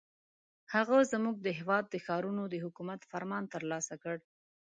هغه زموږ د هېواد د ښارونو د حکومت فرمان ترلاسه کړ.